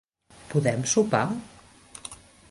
Podem sopar?